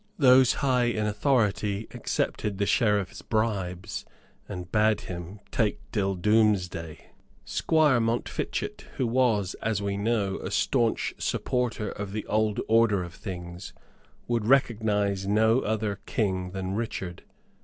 Those high in authority accepted the Sheriff's bribes, and bade him take till Doomsday. Squire Montfichet, who was, as we know, a staunch supporter of the old order of things, would recognize no other King than Richard.